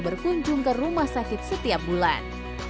berkunjung ke rumah sakit setiap bulan